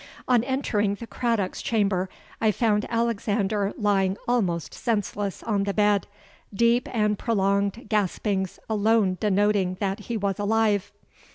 On entering the Craddock's chamber, I found Alexander lying almost senseless on the bed, deep and prolonged gaspings alone denoting that he was alive.